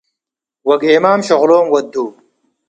ወጌማም ሽቅሎም ወዱ ።